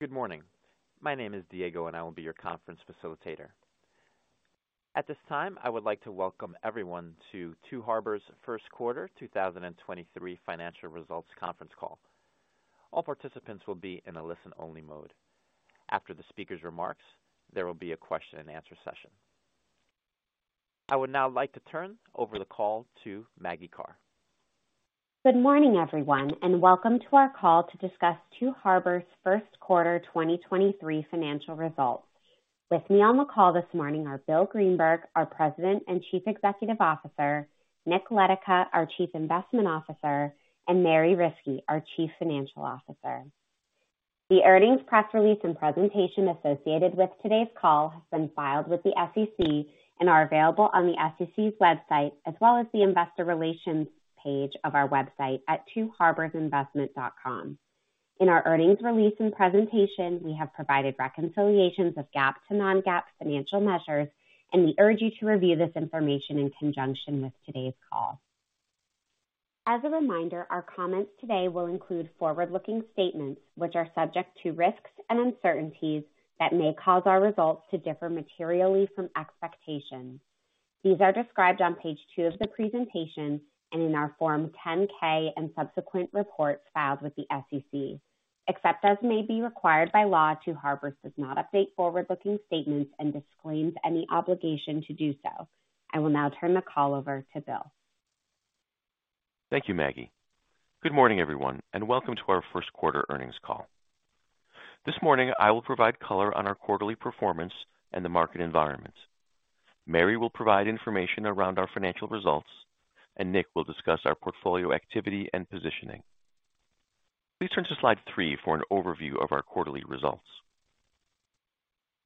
Good morning. My name is Diego, and I will be your conference facilitator. At this time, I would like to welcome everyone to Two Harbors Q1 2023 financial results conference call. All participants will be in a listen-only mode. After the speaker's remarks, there will be a question and answer session. I would now like to turn over the call to Maggie Karr. Good morning, everyone, and welcome to our call to discuss Two Harbors first quarter 2023 financial results. With me on the call this morning are Bill Greenberg, our President and CEO, Nick Letica, our Chief Investment Officer, and Mary Riskey, our CFO. The earnings press release and presentation associated with today's call has been filed with the SEC and are available on the SEC's website as well as the investor relations page of our website at twoharborsinvestment.com. In our earnings release and presentation, we have provided reconciliations of GAAP to non-GAAP financial measures, and we urge you to review this information in conjunction with today's call. As a reminder, our comments today will include forward-looking statements, which are subject to risks and uncertainties that may cause our results to differ materially from expectations. These are described on page two of the presentation and in our form 10-K and subsequent reports filed with the SEC. Except as may be required by law, Two Harbors does not update forward-looking statements and disclaims any obligation to do so. I will now turn the call over to Bill. Thank you, Maggie. Good morning, everyone. Welcome to our first quarter earnings call. This morning, I will provide color on our quarterly performance and the market environment. Mary will provide information around our financial results. Nick will discuss our portfolio activity and positioning. Please turn to slide three for an overview of our quarterly results.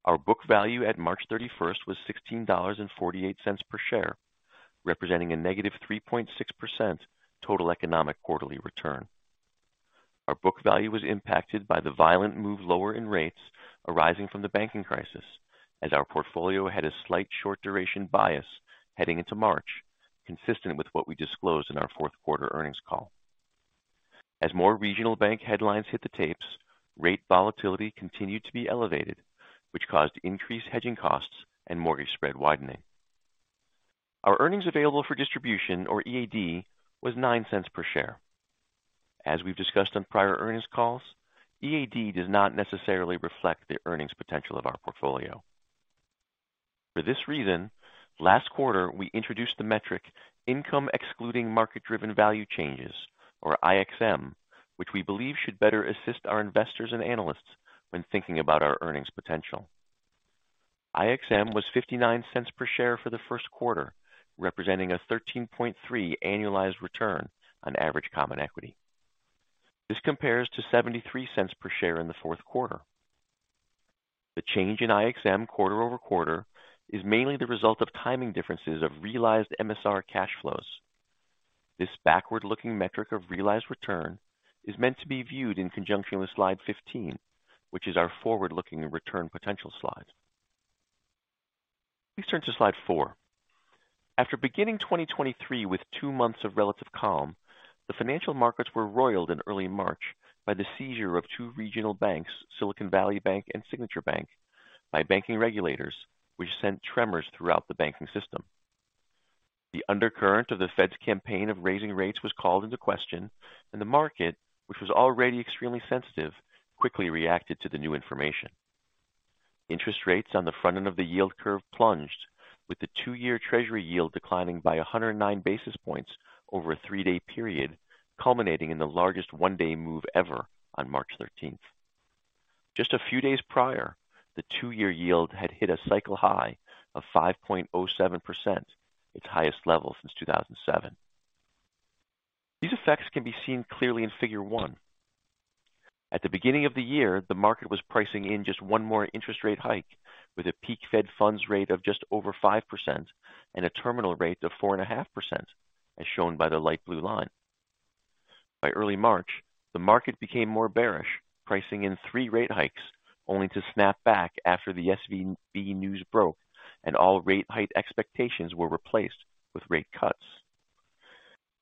Our book value at March thirty-first was $16.48 per share, representing a negative 3.6% total economic quarterly return. Our book value was impacted by the violent move lower in rates arising from the banking crisis as our portfolio had a slight short duration bias heading into March, consistent with what we disclosed in our fourth quarter earnings call. As more regional bank headlines hit the tapes, rate volatility continued to be elevated, which caused increased hedging costs and mortgage spread widening. Our earnings available for distribution or EAD was $0.09 per share. As we've discussed on prior earnings calls, EAD does not necessarily reflect the earnings potential of our portfolio. For this reason, last quarter we introduced the metric income excluding market-driven value changes or IXM, which we believe should better assist our investors and analysts when thinking about our earnings potential. IXM was $0.59 per share for the Q1, representing a 13.3% annualized return on average common equity. This compares to $0.73 per share in the fourth quarter. The change in IXM quarter-over-quarter is mainly the result of timing differences of realized MSR cash flows. This backward-looking metric of realized return is meant to be viewed in conjunction with slide 15, which is our forward-looking return potential slide. Please turn to slide four. After beginning 2023 with two months of relative calm, the financial markets were roiled in early March by the seizure of two regional banks, Silicon Valley Bank and Signature Bank, by banking regulators, which sent tremors throughout the banking system. The undercurrent of the Fed's campaign of raising rates was called into question, and the market, which was already extremely sensitive, quickly reacted to the new information. Interest rates on the front end of the yield curve plunged, with the two-year Treasury yield declining by 109 basis points over a three-day period, culminating in the largest one-day move ever on March 13th. Just a few days prior, the two-year yield had hit a cycle high of 5.07%, its highest level since 2007. These effects can be seen clearly in figure one. At the beginning of the year, the market was pricing in just 1 more interest rate hike with a peak Fed funds rate of just over 5% and a terminal rate of 4.5%, as shown by the light blue line. By early March, the market became more bearish, pricing in three rate hikes, only to snap back after the SVB news broke and all rate hike expectations were replaced with rate cuts.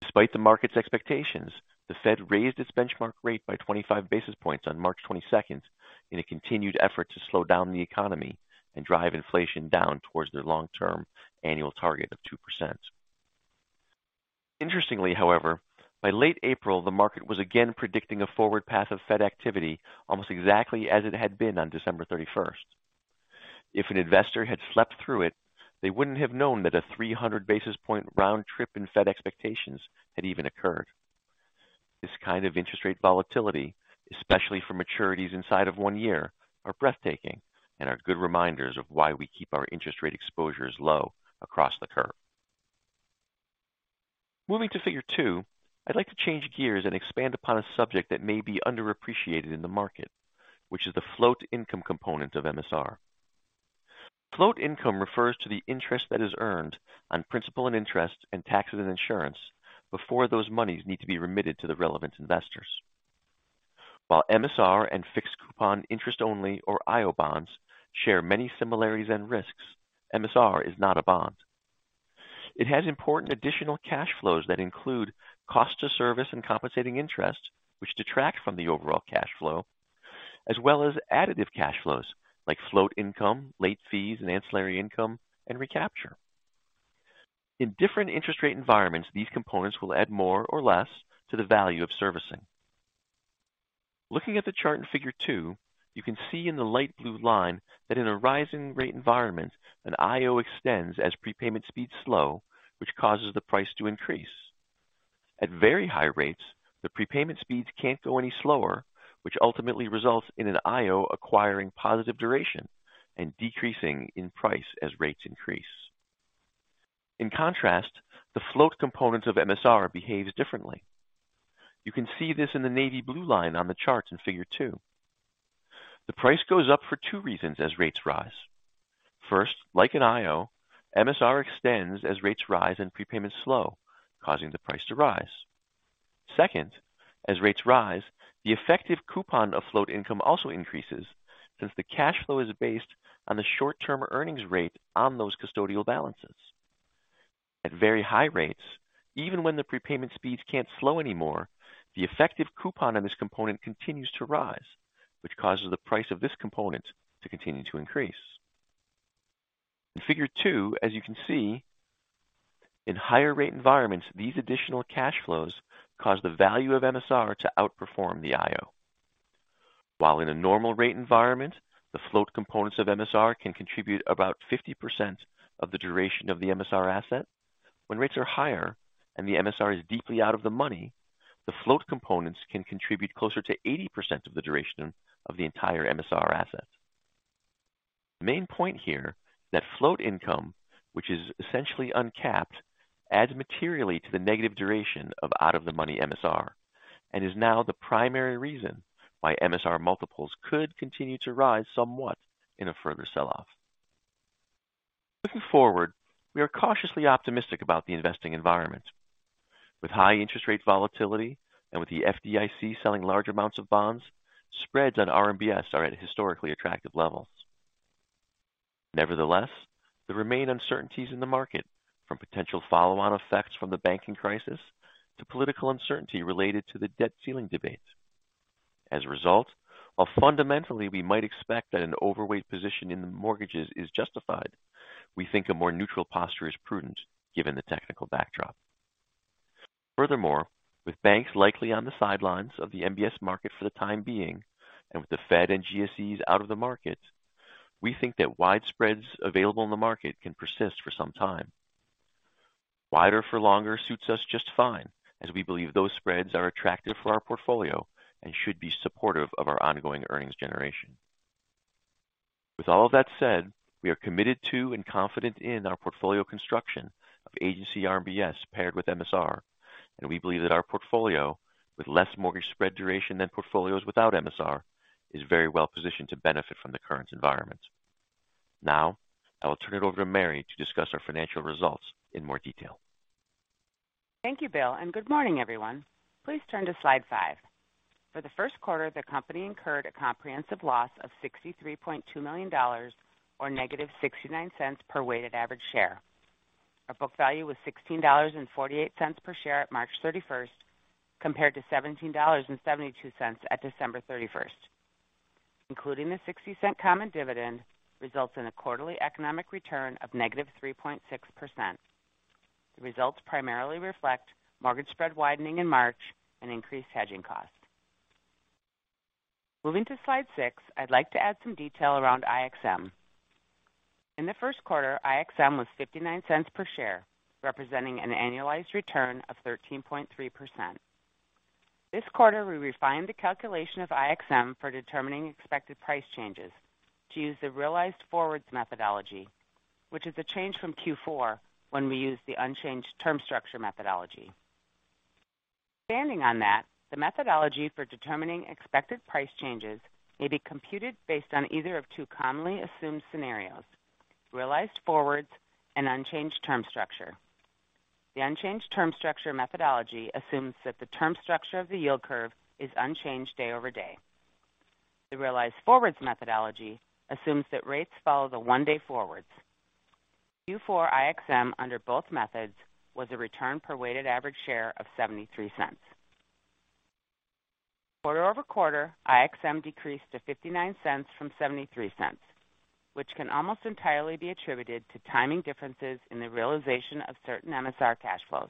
Despite the market's expectations, the Fed raised its benchmark rate by 25 basis points on March 22nd in a continued effort to slow down the economy and drive inflation down towards their long-term annual target of 2%. Interestingly, however, by late April the market was again predicting a forward path of Fed activity almost exactly as it had been on December 31st. If an investor had slept through it, they wouldn't have known that a 300 basis point round trip in Fed expectations had even occurred. This kind of interest rate volatility, especially for maturities inside of one year, are breathtaking and are good reminders of why we keep our interest rate exposures low across the curve. Moving to figure two, I'd like to change gears and expand upon a subject that may be underappreciated in the market, which is the float income component of MSR. Float income refers to the interest that is earned on principal and interest and taxes and insurance before those monies need to be remitted to the relevant investors. While MSR and fixed coupon interest only or IO bonds share many similarities and risks, MSR is not a bond. It has important additional cash flows that include cost to service and compensating interest, which detract from the overall cash flow, as well as additive cash flows like float income, late fees and ancillary income and recapture. In different interest rate environments, these components will add more or less to the value of servicing. Looking at the chart in figure two, you can see in the light blue line that in a rising rate environment, an IO extends as prepayment speeds slow, which causes the price to increase. At very high rates, the prepayment speeds can't go any slower, which ultimately results in an IO acquiring positive duration and decreasing in price as rates increase. In contrast, the float component of MSR behaves differently. You can see this in the navy blue line on the chart in figure two. The price goes up for two reasons as rates rise. First, like an IO, MSR extends as rates rise and prepayments slow, causing the price to rise. Second, as rates rise, the effective coupon of float income also increases since the cash flow is based on the short-term earnings rate on those custodial balances. At very high rates, even when the prepayment speeds can't slow anymore, the effective coupon on this component continues to rise, which causes the price of this component to continue to increase. In figure two, as you can see, in higher rate environments, these additional cash flows cause the value of MSR to outperform the IO. While in a normal rate environment, the float components of MSR can contribute about 50% of the duration of the MSR asset. When rates are higher and the MSR is deeply out of the money, the float components can contribute closer to 80% of the duration of the entire MSR asset. The main point here that float income, which is essentially uncapped, adds materially to the negative duration of out of the money MSR, and is now the primary reason why MSR multiples could continue to rise somewhat in a further sell-off. Looking forward, we are cautiously optimistic about the investing environment. With high interest rate volatility and with the FDIC selling large amounts of bonds, spreads on RMBS are at historically attractive levels. Nevertheless, there remain uncertainties in the market from potential follow-on effects from the banking crisis to political uncertainty related to the debt ceiling debate. As a result, while fundamentally we might expect that an overweight position in the mortgages is justified, we think a more neutral posture is prudent given the technical backdrop. With banks likely on the sidelines of the MBS market for the time being, and with the Fed and GSEs out of the market, we think that wide spreads available in the market can persist for some time. Wider for longer suits us just fine as we believe those spreads are attractive for our portfolio and should be supportive of our ongoing earnings generation. We are committed to and confident in our portfolio construction of Agency RMBS paired with MSR, and we believe that our portfolio, with less mortgage spread duration than portfolios without MSR, is very well positioned to benefit from the current environment. Now, I will turn it over to Mary to discuss our financial results in more detail. Thank you, Bill, and good morning, everyone. Please turn to slide 5. For the first quarter, the company incurred a comprehensive loss of $63.2 million or -$0.69 per weighted average share. Our book value was $16.48 per share at March 31st, compared to $17.72 at December 31st. Including the $0.60 common dividend results in a quarterly economic return of -3.6%. The results primarily reflect mortgage spread widening in March and increased hedging costs. Moving to slide six, I'd like to add some detail around IXM. In the first quarter, IXM was $0.59 per share, representing an annualized return of 13.3%. This quarter, we refined the calculation of IXM for determining expected price changes to use the realized forwards methodology, which is a change from Q4 when we used the unchanged term structure methodology. Standing on that, the methodology for determining expected price changes may be computed based on either of two commonly assumed scenarios: realized forwards and unchanged term structure. The unchanged term structure methodology assumes that the term structure of the yield curve is unchanged day over day. The realized forwards methodology assumes that rates follow the one-day forwards. Q4 IXM under both methods was a return per weighted average share of $0.73. Quarter-over-quarter, IXM decreased to $0.59 from $0.73, which can almost entirely be attributed to timing differences in the realization of certain MSR cash flows.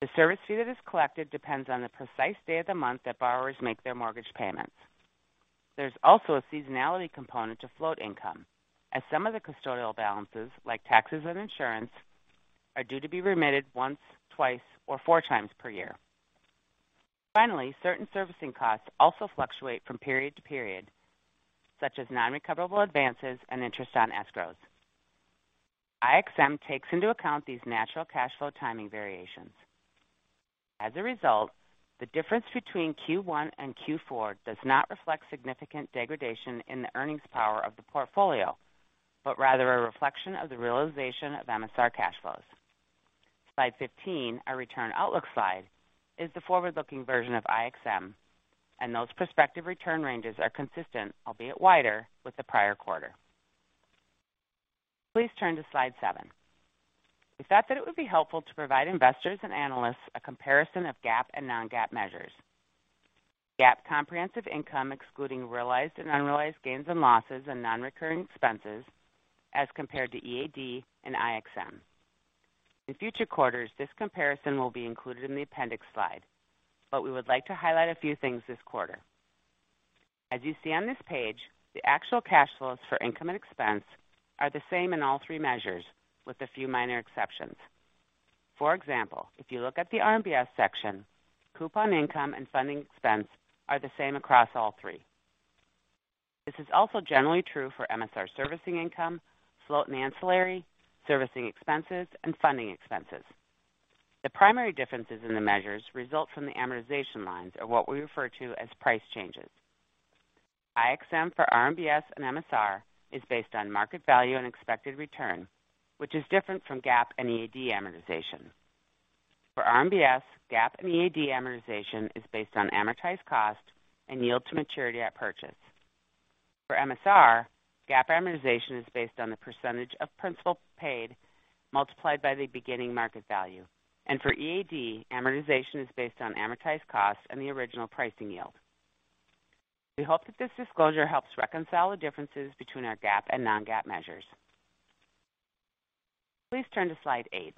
The service fee that is collected depends on the precise day of the month that borrowers make their mortgage payments. There's also a seasonality component to float income, as some of the custodial balances, like taxes and insurance, are due to be remitted once, twice, or four times per year. Finally, certain servicing costs also fluctuate from period to period, such as non-recoverable advances and interest on escrows. IXM takes into account these natural cash flow timing variations. As a result, the difference between Q1-Q4 does not reflect significant degradation in the earnings power of the portfolio, but rather a reflection of the realization of MSR cash flows. Slide 15, our return outlook slide is the forward-looking version of IXM, and those prospective return ranges are consistent, albeit wider, with the prior quarter. Please turn to slide seven. We thought that it would be helpful to provide investors and analysts a comparison of GAAP and non-GAAP measures. GAAP comprehensive income, excluding realized and unrealized gains and losses and non-recurring expenses as compared to EAD and IXM. In future quarters, this comparison will be included in the appendix slide, but we would like to highlight a few things this quarter. As you see on this page, the actual cash flows for income and expense are the same in all three measures, with a few minor exceptions. For example, if you look at the RMBS section, coupon income and funding expense are the same across all three. This is also generally true for MSR servicing income, float and ancillary, servicing expenses, and funding expenses. The primary differences in the measures result from the amortization lines or what we refer to as price changes. IXM for RMBS and MSR is based on market value and expected return, which is different from GAAP and EAD amortization. For RMBS, GAAP and EAD amortization is based on amortized cost and yield to maturity at purchase. For MSR, GAAP amortization is based on the percentage of principal paid multiplied by the beginning market value. For EAD, amortization is based on amortized cost and the original pricing yield. We hope that this disclosure helps reconcile the differences between our GAAP and non-GAAP measures. Please turn to slide 8.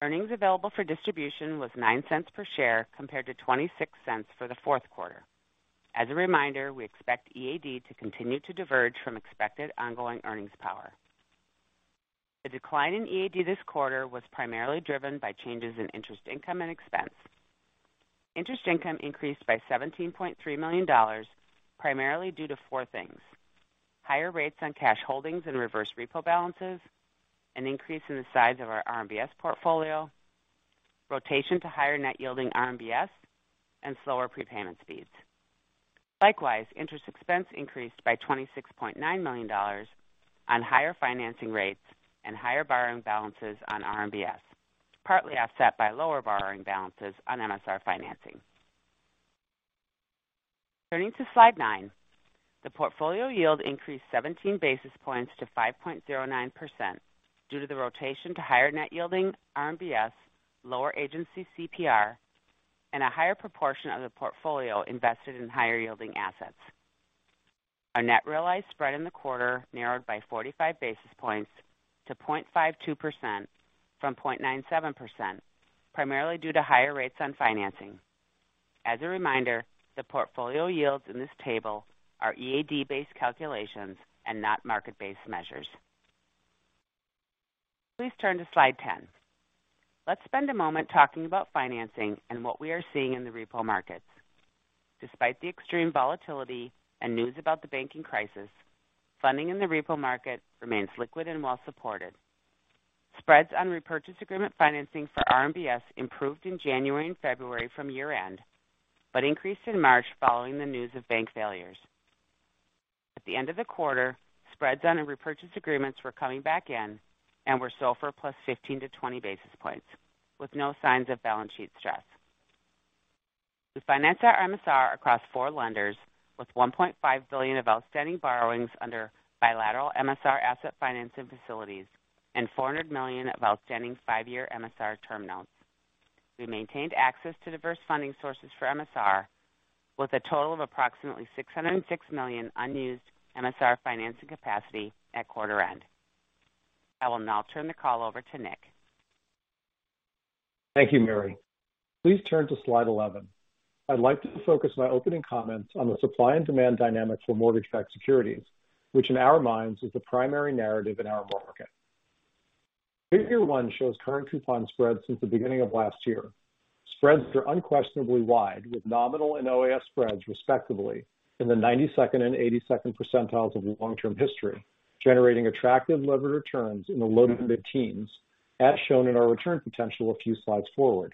Earnings available for distribution was $0.09 per share compared to $0.26 for the fourth quarter. As a reminder, we expect EAD to continue to diverge from expected ongoing earnings power. The decline in EAD this quarter was primarily driven by changes in interest income and expense. Interest income increased by $17.3 million, primarily due to four things: higher rates on cash holdings and reverse repo balances, an increase in the size of our RMBS portfolio, rotation to higher net yielding RMBS, and slower prepayment speeds. Likewise, interest expense increased by $26.9 million on higher financing rates and higher borrowing balances on RMBS, partly offset by lower borrowing balances on MSR financing. Turning to slide nine. The portfolio yield increased 17 basis points to 5.09% due to the rotation to higher net yielding RMBS, lower agency CPR, and a higher proportion of the portfolio invested in higher yielding assets. Our net realized spread in the quarter narrowed by 45 basis points to 0.52% from 0.97%, primarily due to higher rates on financing. As a reminder, the portfolio yields in this table are EAD-based calculations and not market-based measures. Please turn to slide 10. Let's spend a moment talking about financing and what we are seeing in the repo markets. Despite the extreme volatility and news about the banking crisis, funding in the repo market remains liquid and well supported. Spreads on repurchase agreement financing for RMBS improved in January and February from year-end, but increased in March following the news of bank failures. At the end of the quarter, spreads on repurchase agreements were coming back in and were SOFR plus 15-20 basis points, with no signs of balance sheet stress. We finance our MSR across four lenders, with $1.5 billion of outstanding borrowings under bilateral MSR asset financing facilities and $400 million of outstanding five-year MSR term notes. We maintained access to diverse funding sources for MSR with a total of approximately $606 million unused MSR financing capacity at quarter end. I will now turn the call over to Nick. Thank you, Mary. Please turn to slide 11. I'd like to focus my opening comments on the supply and demand dynamics for mortgage-backed securities, which in our minds is the primary narrative in our market. Figure one shows current coupon spreads since the beginning of last year. Spreads are unquestionably wide, with nominal and OAS spreads, respectively, in the 92nd and 82nd percentiles of long-term history, generating attractive levered returns in the low to mid-teens, as shown in our return potential a few slides forward.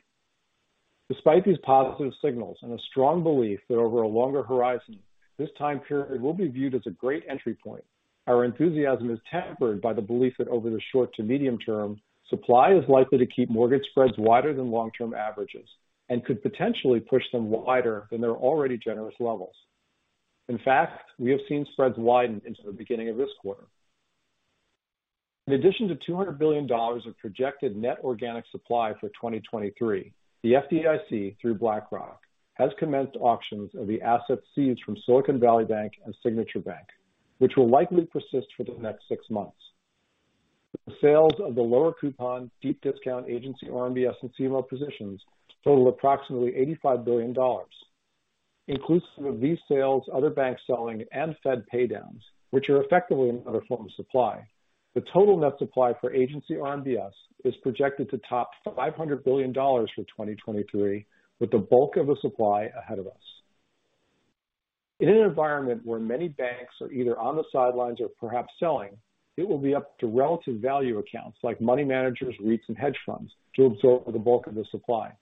Despite these positive signals and a strong belief that over a longer horizon, this time period will be viewed as a great entry point. Our enthusiasm is tempered by the belief that over the short to medium term, supply is likely to keep mortgage spreads wider than long-term averages and could potentially push them wider than their already generous levels. In fact, we have seen spreads widen into the beginning of this quarter. In addition to $200 billion of projected net organic supply for 2023, the FDIC, through BlackRock, has commenced auctions of the assets seized from Silicon Valley Bank and Signature Bank, which will likely persist for the next six months. The sales of the lower coupon, deep discount Agency RMBS and CMO positions total approximately $85 billion. Inclusive of these sales, other banks selling and Fed paydowns, which are effectively another form of supply, the total net supply for Agency RMBS is projected to top $500 billion for 2023, with the bulk of the supply ahead of us. In an environment where many banks are either on the sidelines or perhaps selling, it will be up to relative value accounts like money managers, REITs, and hedge funds to absorb the bulk of the supply.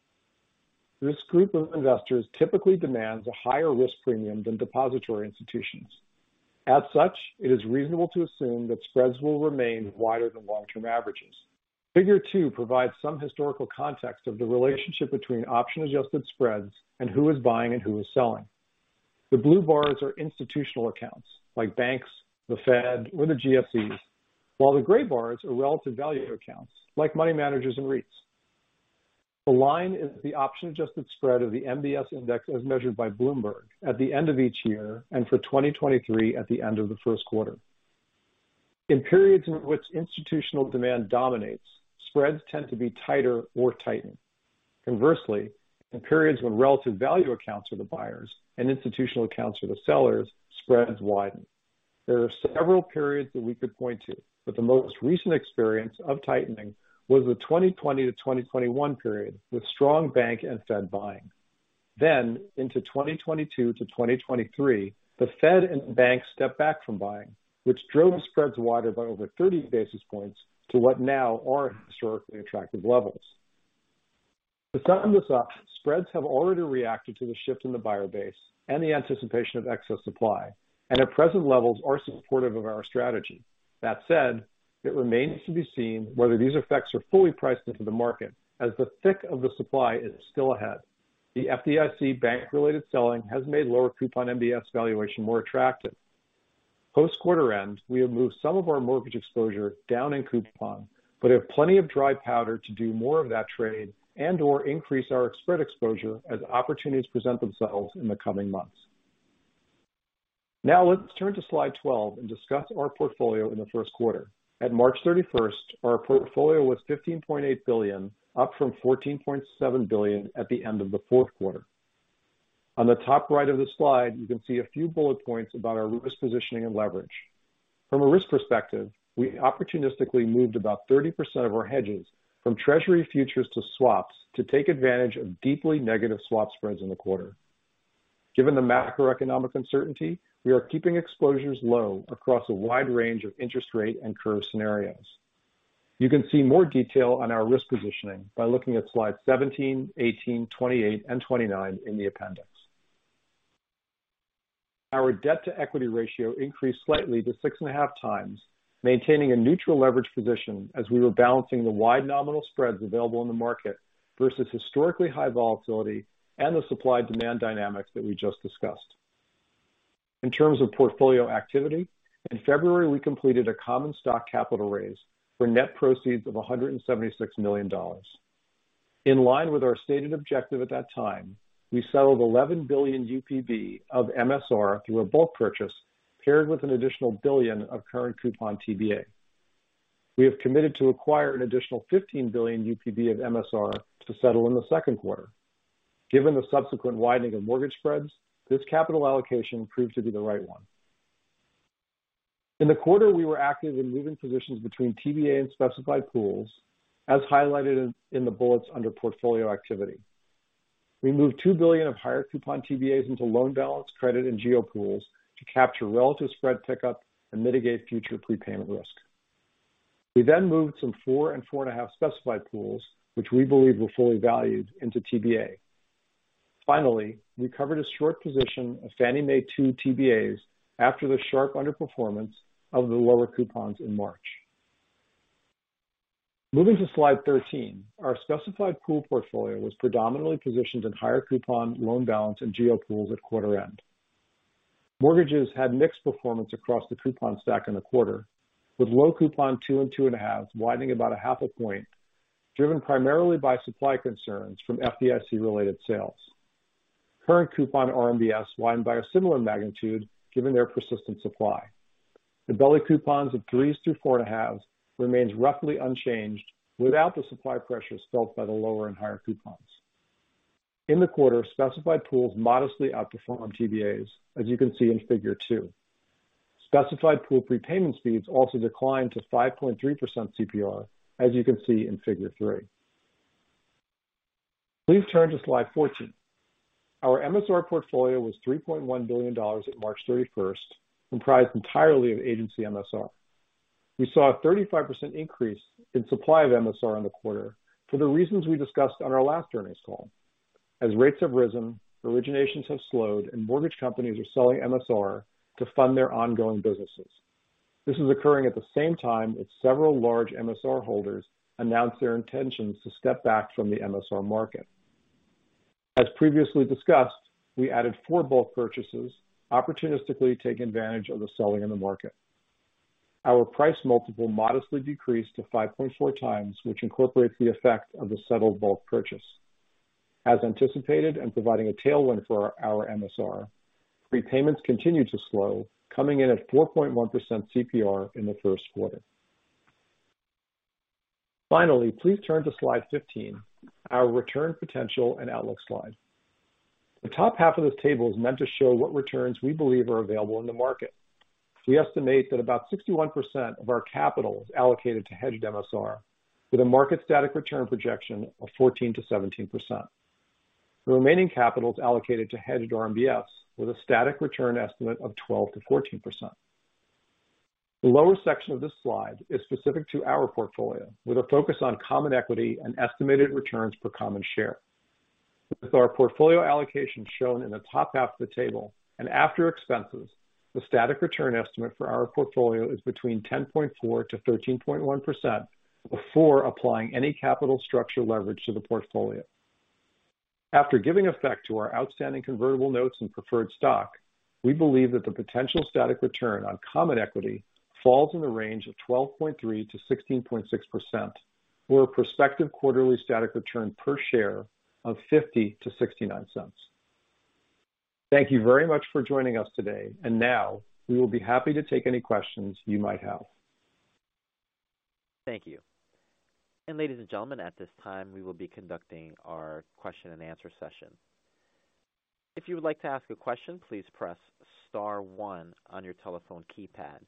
This group of investors typically demands a higher risk premium than depository institutions. As such, it is reasonable to assume that spreads will remain wider than long-term averages. Figure two provides some historical context of the relationship between option-adjusted spreads and who is buying and who is selling. The blue bars are institutional accounts like banks, the Fed, or the GSEs, while the gray bars are relative value accounts like money managers and REITs. The line is the option-adjusted spread of the MBS index as measured by Bloomberg at the end of each year and for 2023 at the end of the first quarter. In periods in which institutional demand dominates, spreads tend to be tighter or tighten. Conversely, in periods when relative value accounts are the buyers and institutional accounts are the sellers, spreads widen. There are several periods that we could point to, but the most recent experience of tightening was the 2020 to 2021 period, with strong bank and Fed buying. Into 2022 to 2023, the Fed and the bank stepped back from buying, which drove spreads wider by over 30 basis points to what now are historically attractive levels. To sum this up, spreads have already reacted to the shift in the buyer base and the anticipation of excess supply and at present levels are supportive of our strategy. That said, it remains to be seen whether these effects are fully priced into the market as the thick of the supply is still ahead. The FDIC bank-related selling has made lower coupon MBS valuation more attractive. Post-quarter end, we have moved some of our mortgage exposure down in coupon, but have plenty of dry powder to do more of that trade and/or increase our spread exposure as opportunities present themselves in the coming months. Let's turn to slide 12 and discuss our portfolio in the first quarter. At March 31st, our portfolio was $15.8 billion, up from $14.7 billion at the end of the fourth quarter. On the top right of the slide, you can see a few bullet points about our risk positioning and leverage. From a risk perspective, we opportunistically moved about 30% of our hedges from Treasury futures to swaps to take advantage of deeply negative swap spreads in the quarter. Given the macroeconomic uncertainty, we are keeping exposures low across a wide range of interest rate and curve scenarios. You can see more detail on our risk positioning by looking at slide 17, 18, 28, and 29 in the appendix. Our debt-to-equity ratio increased slightly to 6.5x, maintaining a neutral leverage position as we were balancing the wide nominal spreads available in the market versus historically high volatility and the supply-demand dynamics that we just discussed. In terms of portfolio activity, in February we completed a common stock capital raise for net proceeds of $176 million. In line with our stated objective at that time, we settled 11 billion UPB of MSR through a bulk purchase paired with an additional 1 billion of current coupon TBA. We have committed to acquire an additional $15 billion UPB of MSR to settle in the second quarter. Given the subsequent widening of mortgage spreads, this capital allocation proved to be the right one. In the quarter, we were active in moving positions between TBA and specified pools, as highlighted in the bullets under portfolio activity. We moved $2 billion of higher coupon TBAs into loan balance credit and geo pools to capture relative spread pickup and mitigate future prepayment risk. We moved some 4 and 4.5 specified pools, which we believe were fully valued into TBA. Finally, we covered a short position of Fannie Mae two TBAs after the sharp underperformance of the lower coupons in March. Moving to slide 13. Our specified pool portfolio was predominantly positioned in higher coupon loan balance and geo pools at quarter end. Mortgages had mixed performance across the coupon stack in the quarter, with low coupon two and two and a half widening about a half a point, driven primarily by supply concerns from FDIC-related sales. Current coupon RMBS widened by a similar magnitude given their persistent supply. The belly coupons of 3s through 4.5 remains roughly unchanged without the supply pressures felt by the lower and higher coupons. In the quarter, specified pools modestly outperformed TBAs, as you can see in figure two. Specified pool prepayment speeds also declined to 5.3% CPR, as you can see in figure tree. Please turn to slide 14. Our MSR portfolio was $3.1 billion at March 31st, comprised entirely of agency MSR. We saw a 35% increase in supply of MSR in the quarter for the reasons we discussed on our last earnings call. As rates have risen, originations have slowed, and mortgage companies are selling MSR to fund their ongoing businesses. This is occurring at the same time as several large MSR holders announce their intentions to step back from the MSR market. As previously discussed, we added four bulk purchases, opportunistically taking advantage of the selling in the market. Our price multiple modestly decreased to 5.4x, which incorporates the effect of the settled bulk purchase. As anticipated and providing a tailwind for our MSR, prepayments continue to slow, coming in at 4.1% CPR in the Q1. Finally, please turn to slide 15, our return potential and outlook slide. The top half of this table is meant to show what returns we believe are available in the market. We estimate that about 61% of our capital is allocated to hedged MSR with a market static return projection of 14%-17%. The remaining capital is allocated to hedged RMBS with a static return estimate of 12%-14%. The lower section of this slide is specific to our portfolio with a focus on common equity and estimated returns per common share. With our portfolio allocation shown in the top half of the table and after expenses, the static return estimate for our portfolio is between 10.4% to 13.1% before applying any capital structure leverage to the portfolio. After giving effect to our outstanding convertible notes and preferred stock, we believe that the potential static return on common equity falls in the range of 12.3% to 16.6% for a prospective quarterly static return per share of $0.50-$0.69. Thank you very much for joining us today. Now we will be happy to take any questions you might have. Thank you. Ladies and gentlemen, at this time we will be conducting our question and answer session. If you would like to ask a question, please press star one on your telephone keypad.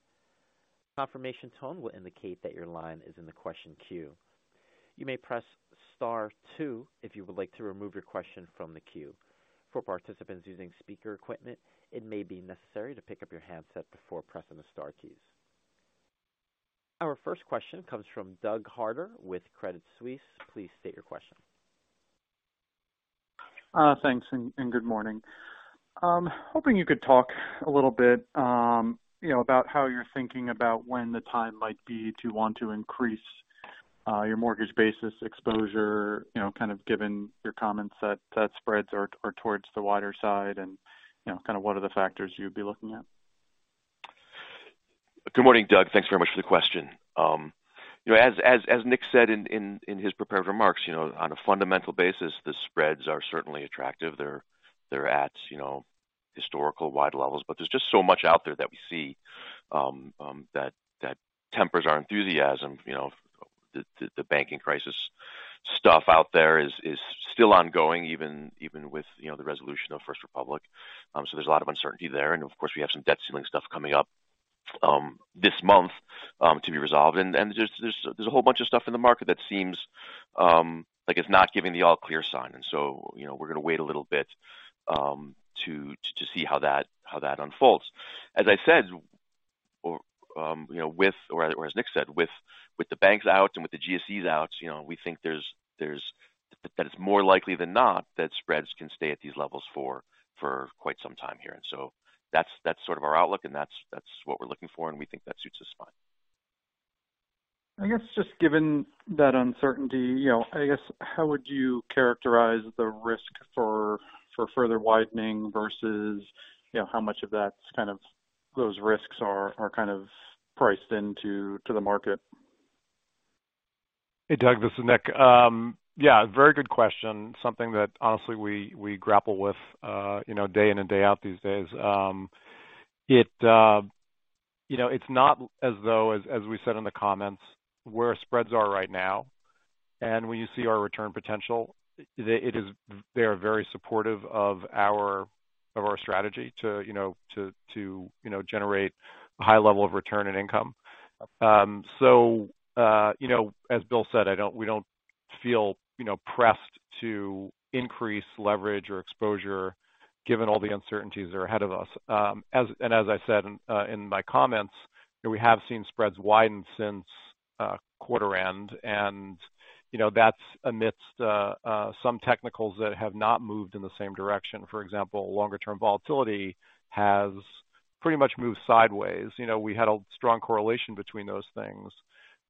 Confirmation tone will indicate that your line is in the question queue. You may press star two if you would like to remove your question from the queue. For participants using speaker equipment, it may be necessary to pick up your handset before pressing the star keys. Our first question comes from Doug Harter with Credit Suisse. Please state your question. Thanks. Good morning. Hoping you could talk a little bit, you know, about how you're thinking about when the time might be to want to increase your mortgage basis exposure, you know, kind of given your comments that spreads are towards the wider side and, you know, kind of what are the factors you'd be looking at? Good morning, Doug. Thanks very much for the question. You know, as Nick said in his prepared remarks, you know, on a fundamental basis, the spreads are certainly attractive. They're at, you know, historical wide levels. There's just so much out there that we see that tempers our enthusiasm. You know, the banking crisis stuff out there is still ongoing, even with, you know, the resolution of First Republic. So there's a lot of uncertainty there. Of course, we have some debt ceiling stuff coming up this month to be resolved. And there's a whole bunch of stuff in the market that seems like it's not giving the all clear sign. You know, we're gonna wait a little bit, to see how that, how that unfolds. As I said, or, you know, with or as Nick said, with the banks out and with the GSEs out, you know, we think there's that it's more likely than not that spreads can stay at these levels for quite some time here. That's sort of our outlook, and that's what we're looking for, and we think that suits us fine. I guess just given that uncertainty, you know, I guess how would you characterize the risk for further widening versus, you know, how much of that's kind of those risks are kind of priced into to the market? Hey, Doug, this is Nick. Yeah, very good question. Something that honestly we grapple with, you know, day in and day out these days. It, you know, it's not as though as we said in the comments, where spreads are right now, and when you see our return potential, they are very supportive of our, of our strategy to, you know, generate a high level of return and income. You know, as Bill said, we don't feel, you know, pressed to increase leverage or exposure given all the uncertainties that are ahead of us. As I said in my comments, we have seen spreads widen since quarter end. You know, that's amidst some technicals that have not moved in the same direction. For example, longer-term volatility has pretty much moved sideways. You know, we had a strong correlation between those things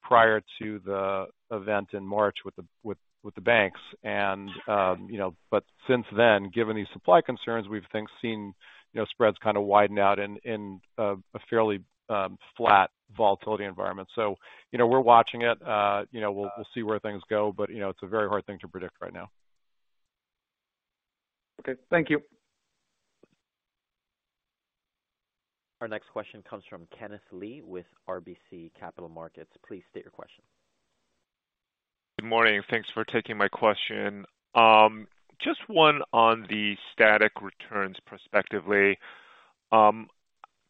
prior to the event in March with the banks. you know, but since then given these supply concerns, we've I think seen, you know, spreads kind of widen out in a fairly flat volatility environment. you know, we're watching it. you know, we'll see where things go. you know, it's a very hard thing to predict right now. Okay. Thank you. Our next question comes from Kenneth Lee with RBC Capital Markets. Please state your question. Good morning. Thanks for taking my question. Just one on the static returns prospectively.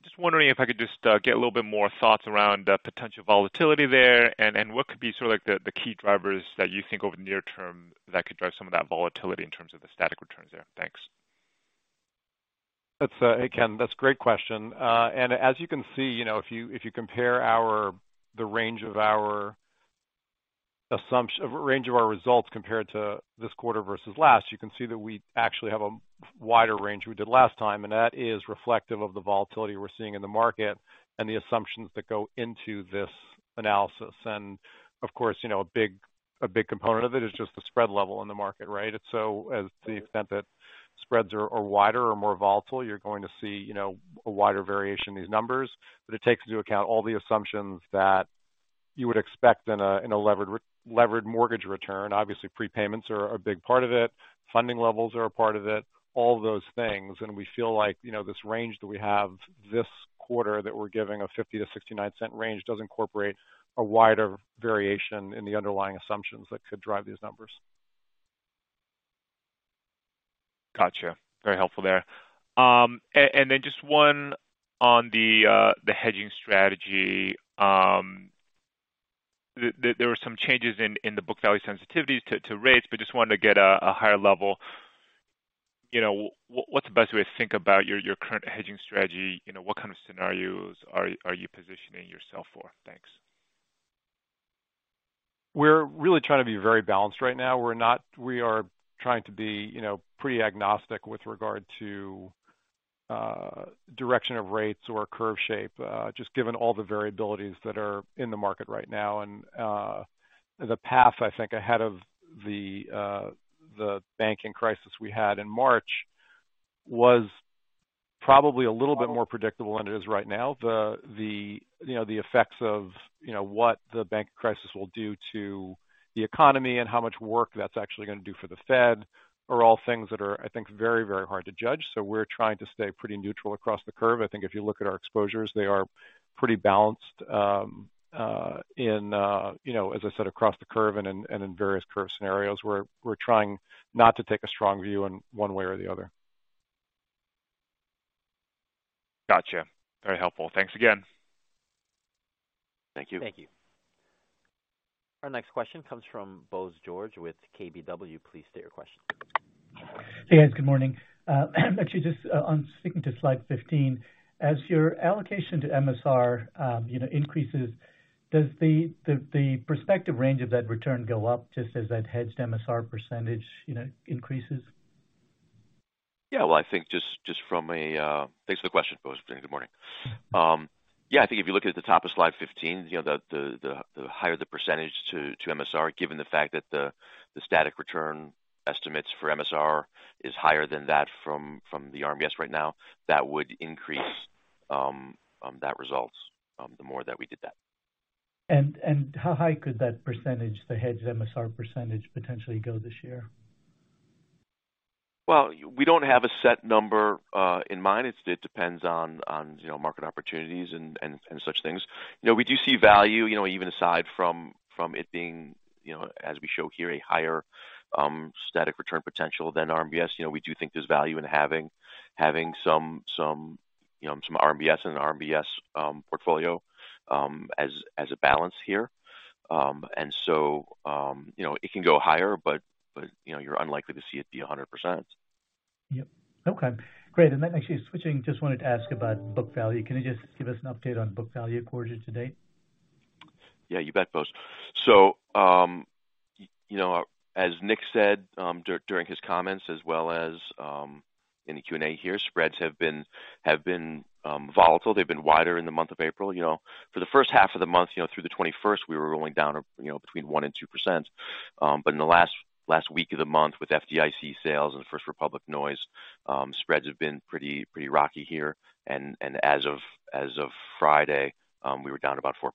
Just wondering if I could just get a little bit more thoughts around the potential volatility there and what could be sort of like the key drivers that you think over near term that could drive some of that volatility in terms of the static returns there. Thanks. That's. Hey, Ken, that's a great question. As you can see, you know, if you compare the range of our results compared to this quarter versus last, you can see that we actually have a wider range we did last time, and that is reflective of the volatility we're seeing in the market and the assumptions that go into this analysis. Of course, you know, a big component of it is just the spread level in the market, right? So as to the extent that spreads are wider or more volatile, you're going to see, you know, a wider variation in these numbers. But it takes into account all the assumptions that you would expect in a levered mortgage return. Obviously, prepayments are a big part of it. Funding levels are a part of it, all of those things. We feel like, you know, this range that we have this quarter that we're giving a $0.50-$0.69 range does incorporate a wider variation in the underlying assumptions that could drive these numbers. Gotcha. Very helpful there. Just one on the hedging strategy. There were some changes in the book value sensitivities to rates, but just wanted to get a higher level. You know, what's the best way to think about your current hedging strategy? You know, what kind of scenarios are you positioning yourself for? Thanks. We're really trying to be very balanced right now. We are trying to be, you know, pretty agnostic with regard to direction of rates or curve shape, just given all the variabilities that are in the market right now. The path I think ahead of the banking crisis we had in March was probably a little bit more predictable than it is right now. The, you know, the effects of, you know, what the bank crisis will do to the economy and how much work that's actually gonna do for the Fed are all things that are, I think, very, very hard to judge. We're trying to stay pretty neutral across the curve. I think if you look at our exposures, they are pretty balanced, in, you know, as I said, across the curve and in, and in various curve scenarios. We're trying not to take a strong view in one way or the other. Gotcha. Very helpful. Thanks again. Thank you. Thank you. Our next question comes from Bose George with KBW. Please state your question. Hey, guys. Good morning. Actually, just on sticking to slide 15, as your allocation to MSR, you know, increases, does the prospective range of that return go up just as that hedged MSR percentage, you know, increases? Well, I think just from a. Thanks for the question, Bose. Good morning. I think if you look at the top of slide 15, you know, the higher the % to MSR, given the fact that the static return estimates for MSR is higher than that from the RMBS right now, that would increase that result, the more that we did that. How high could that %, the hedged MSR % potentially go this year? We don't have a set number in mind. It depends on, you know, market opportunities and such things. You know, we do see value, you know, even aside from it being, you know, as we show here, a higher static return potential than RMBS. You know, we do think there's value in having some, you know, some RMBS in an RMBS portfolio as a balance here. You know, it can go higher, but you know, you're unlikely to see it be 100%. Yep. Okay, great. Actually switching, just wanted to ask about book value. Can you just give us an update on book value at quarter to date? Yeah, you bet, Bose. As Nick said, during his comments as well as in the Q&A here, spreads have been volatile. They've been wider in the month of April. You know, for the first half of the month, you know, through the 21st, we were rolling down, you know, between 1%-2%. In the last week of the month with FDIC sales and First Republic noise, spreads have been pretty rocky here. As of Friday, we were down about 4%.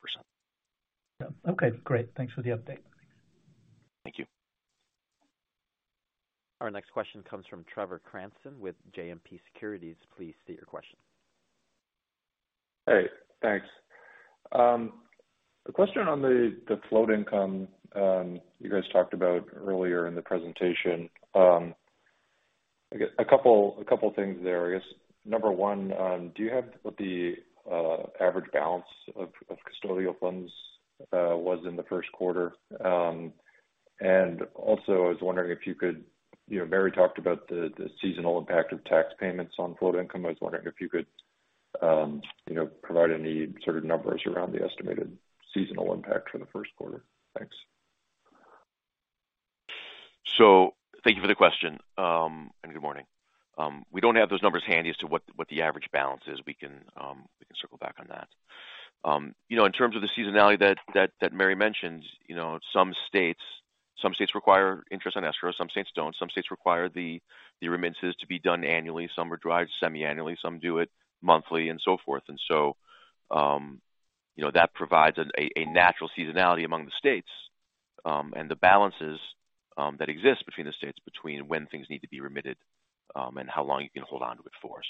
Yeah. Okay, great. Thanks for the update. Thank you. Our next question comes from Trevor Cranston with JMP Securities. Please state your question. Hey, thanks. A question on the float income, you guys talked about earlier in the presentation. I guess a couple things there. I guess, number one, do you have what the average balance of custodial funds was in the 1st quarter? Also I was wondering if you could... You know, Mary talked about the seasonal impact of tax payments on float income. I was wondering if you could, you know, provide any sort of numbers around the estimated seasonal impact for the Q1. Thanks. Thank you for the question, and good morning. We don't have those numbers handy as to what the average balance is. We can circle back on that. You know, in terms of the seasonality that Mary mentioned, you know, some states require interest on escrow, some states don't. Some states require the remittances to be done annually. Some are derived semiannually, some do it monthly and so forth. You know, that provides a natural seasonality among the states, and the balances, that exist between the states between when things need to be remitted, and how long you can hold onto it for.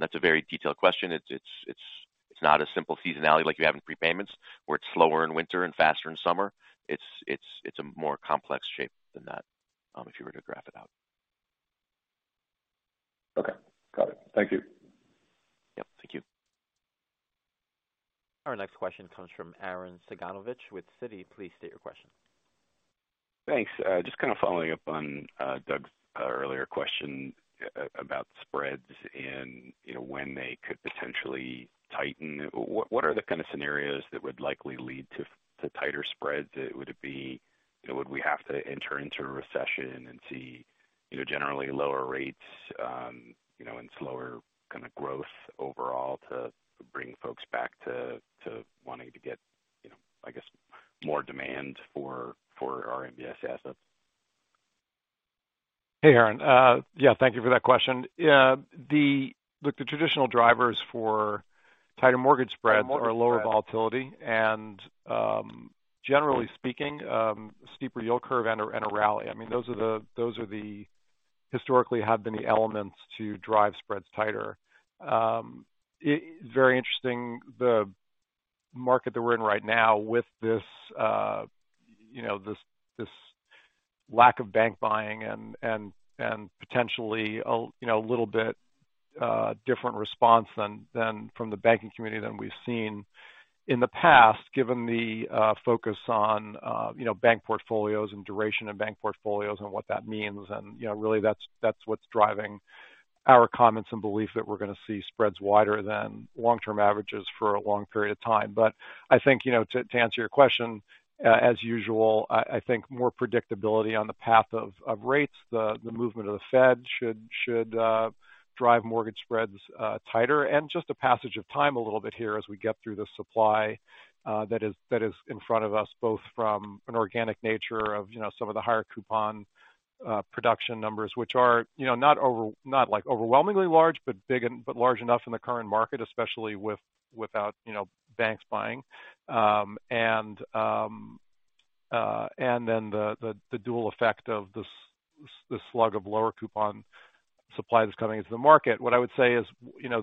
That's a very detailed question. It's not a simple seasonality like you have in prepayments where it's slower in winter and faster in summer. It's a more complex shape than that, if you were to graph it out. Okay. Got it. Thank you. Yep. Thank you. Our next question comes from Arren Cyganovich with Citi. Please state your question. Thanks. Just kind of following up on Doug's earlier question about spreads and, you know, when they could potentially tighten. What are the kind of scenarios that would likely lead to tighter spreads? You know, would we have to enter into a recession and see, you know, generally lower rates, you know, and slower kind of growth overall to bring folks back to wanting to get, you know, I guess, more demand for RMBS assets? Hey, Arren. Yeah, thank you for that question. Look, the traditional drivers for tighter mortgage spreads are lower volatility and, generally speaking, steeper yield curve and a, and a rally. I mean, those are the historically have been the elements to drive spreads tighter. It's very interesting the market that we're in right now with this, you know. Lack of bank buying and potentially a, you know, a little bit different response than from the banking community than we've seen in the past, given the, you know, focus on, you know, bank portfolios and duration of bank portfolios and what that means. You know, really that's what's driving our comments and belief that we're going to see spreads wider than long-term averages for a long period of time. I think, you know, to answer your question, as usual, I think more predictability on the path of rates. The movement of the Fed should drive mortgage spreads tighter and just the passage of time a little bit here as we get through the supply that is in front of us, both from an organic nature of, you know, some of the higher coupon production numbers, which are, you know, not like overwhelmingly large, but large enough in the current market, especially without, you know, banks buying. Then the dual effect of this slug of lower coupon supply that's coming into the market. What I would say is, you know,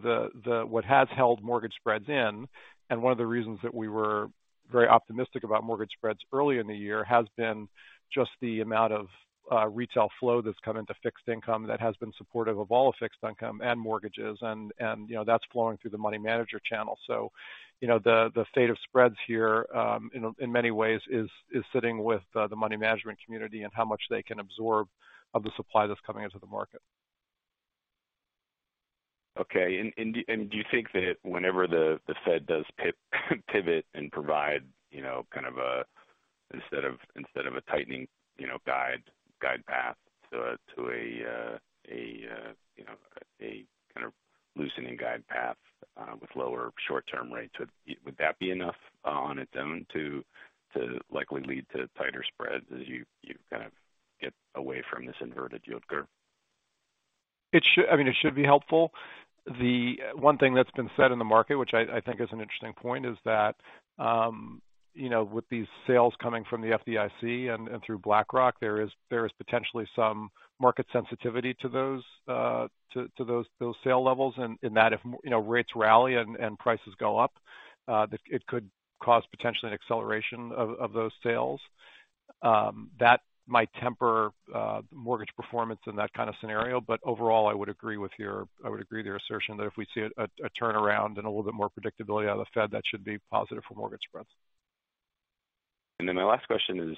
what has held mortgage spreads in, and one of the reasons that we were very optimistic about mortgage spreads early in the year has been just the amount of retail flow that's come into fixed income that has been supportive of all of fixed income and mortgages and, you know, that's flowing through the money manager channel. You know, the state of spreads here, in many ways is sitting with the money management community and how much they can absorb of the supply that's coming into the market. Okay. Do you think that whenever the Fed does pivot and provide, you know, kind of a instead of, instead of a tightening, you know, guide path to a, you know, a kind of loosening guide path with lower short-term rates, would that be enough on its own to likely lead to tighter spreads as you kind of get away from this inverted yield curve? I mean, it should be helpful. The one thing that's been said in the market, which I think is an interesting point, is that, you know, with these sales coming from the FDIC and through BlackRock, there is potentially some market sensitivity to those, to those sale levels, and in that if you know, rates rally and prices go up, that it could cause potentially an acceleration of those sales. That might temper mortgage performance in that kind of scenario. Overall, I would agree with your assertion that if we see a turnaround and a little bit more predictability out of the Fed, that should be positive for mortgage spreads. My last question is,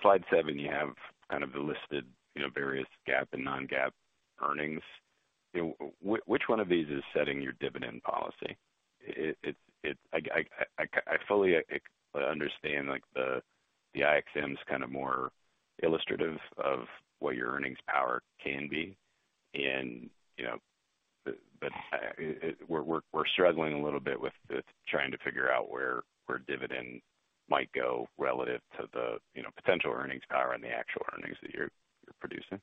slide seven, you have kind of listed, you know, various GAAP and non-GAAP earnings. Which one of these is setting your dividend policy? It's I fully understand, like, the IXM's kind of more illustrative of what your earnings power can be. We're struggling a little bit with trying to figure out where dividend might go relative to the, you know, potential earnings power and the actual earnings that you're producing.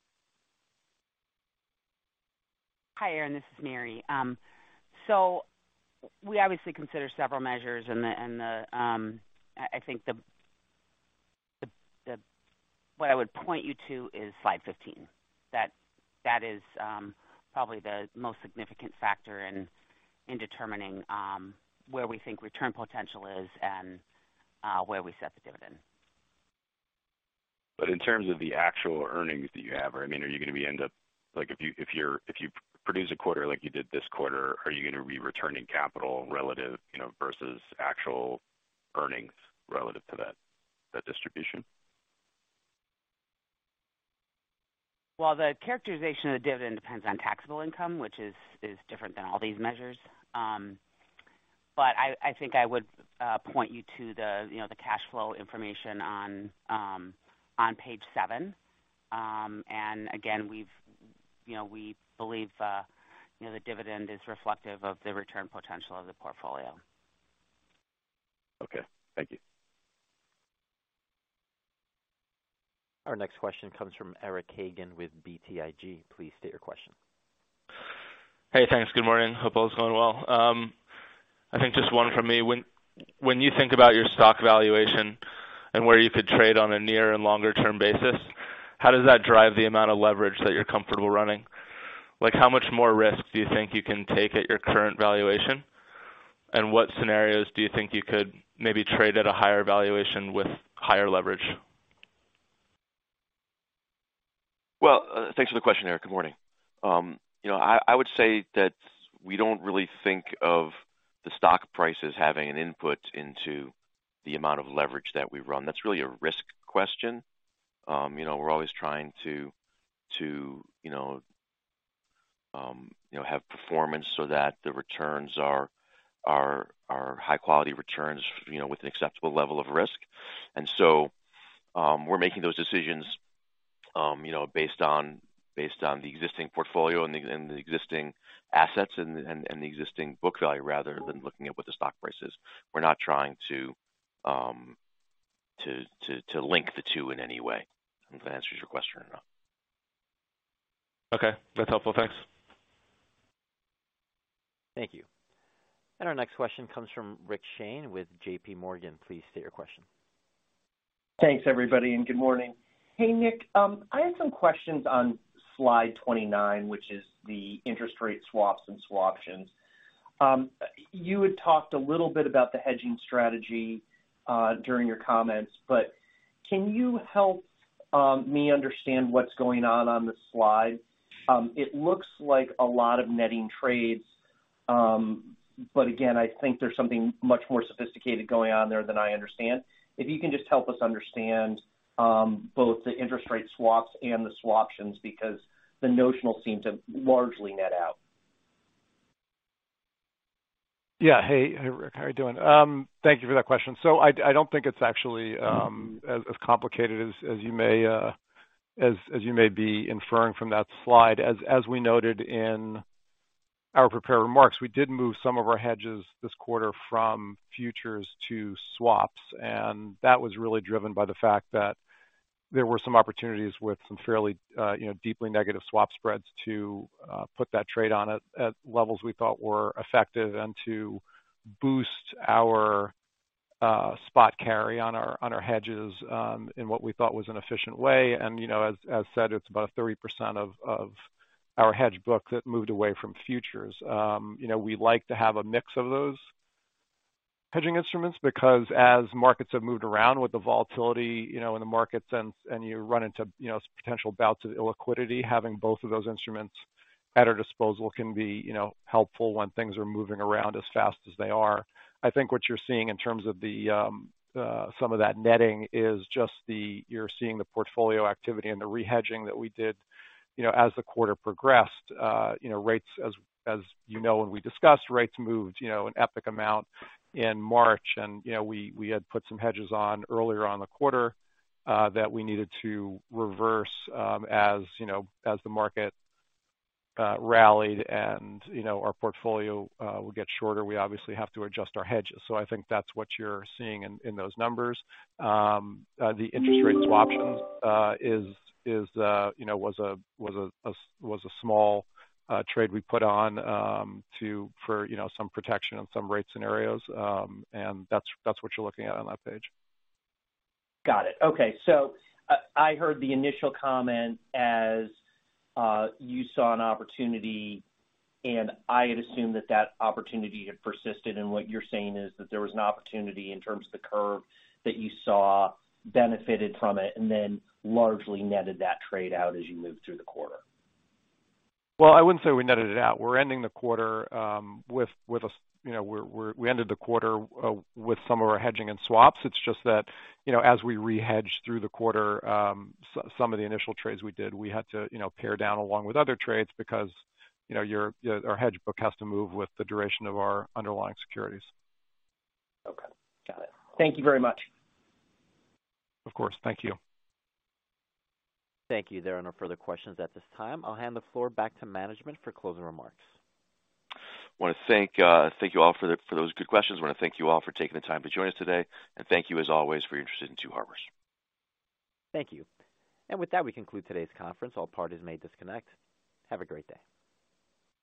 Hi, Arren, this is Mary. We obviously consider several measures and the, I think what I would point you to is slide 15. That is, probably the most significant factor in determining, where we think return potential is and where we set the dividend. In terms of the actual earnings that you have, or I mean, are you gonna be like, if you produce a quarter like you did this quarter, are you gonna be returning capital relative, you know, versus actual earnings relative to that distribution? The characterization of the dividend depends on taxable income, which is different than all these measures. I think I would point you to the, you know, the cash flow information on page seven. Again, we've, you know, we believe, you know, the dividend is reflective of the return potential of the portfolio. Okay. Thank you. Our next question comes from Eric Hagen with BTIG. Please state your question. Hey, thanks. Good morning. Hope all is going well. I think just one from me. When you think about your stock valuation and where you could trade on a near and longer term basis, how does that drive the amount of leverage that you're comfortable running? Like, how much more risk do you think you can take at your current valuation? What scenarios do you think you could maybe trade at a higher valuation with higher leverage? Well, thanks for the question, Eric. Good morning. You know, I would say that we don't really think of the stock price as having an input into the amount of leverage that we run. That's really a risk question. You know, we're always trying to, you know, have performance so that the returns are high quality returns, you know, with an acceptable level of risk. We're making those decisions, you know, based on the existing portfolio and the existing assets and the existing book value, rather than looking at what the stock price is. We're not trying to link the two in any way. I don't know if that answers your question or not. Okay. That's helpful. Thanks. Thank you. Our next question comes from Rick Shane with JPMorgan. Please state your question. Thanks, everybody, and good morning. Hey, Nick, I had some questions on slide 29, which is the interest rate swaps and swaptions. You had talked a little bit about the hedging strategy during your comments, but can you help me understand what's going on on the slide? It looks like a lot of netting trades. Again, I think there's something much more sophisticated going on there than I understand. If you can just help us understand both the interest rate swaps and the swaptions because the notional seem to largely net out. Hey, Rick, how are you doing? Thank you for that question. I don't think it's actually as complicated as you may be inferring from that slide. As we noted in our prepared remarks, we did move some of our hedges this quarter from futures to swaps, and that was really driven by the fact that there were some opportunities with some fairly, you know, deeply negative swap spreads to put that trade on at levels we thought were effective and to boost our spot carry on our hedges in what we thought was an efficient way. You know, as said, it's about 30% of our hedge book that moved away from futures. You know, we like to have a mix of those hedging instruments because as markets have moved around with the volatility, you know, in the markets and you run into, you know, potential bouts of illiquidity, having both of those instruments at our disposal can be, you know, helpful when things are moving around as fast as they are. I think what you're seeing in terms of the some of that netting is just you're seeing the portfolio activity and the re-hedging that we did, you know, as the quarter progressed. You know, rates as you know, when we discussed rates moved, you know, an epic amount in March. You know, we had put some hedges on earlier on the quarter that we needed to reverse as, you know, as the market rallied and, you know, our portfolio will get shorter. We obviously have to adjust our hedges. I think that's what you're seeing in those numbers. The interest rate swaptions is, you know, was a small trade we put on for, you know, some protection on some rate scenarios. That's, that's what you're looking at on that page. Got it. Okay. I heard the initial comment as, you saw an opportunity, and I had assumed that that opportunity had persisted. What you're saying is that there was an opportunity in terms of the curve that you saw benefited from it and then largely netted that trade out as you moved through the quarter. I wouldn't say we netted it out. You know, we ended the quarter with some of our hedging and swaps. It's just that, you know, as we rehedge through the quarter, some of the initial trades we did, we had to, you know, pare down along with other trades because, you know, our hedge book has to move with the duration of our underlying securities. Okay. Got it. Thank you very much. Of course. Thank you. Thank you. There are no further questions at this time. I'll hand the floor back to management for closing remarks. Want to thank you all for those good questions. I want to thank you all for taking the time to join us today. Thank you as always, for your interest in Two Harbors. Thank you. With that, we conclude today's conference. All parties may disconnect. Have a great day.